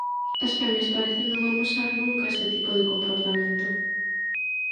As femias parecen non amosar nunca este tipo de comportamento.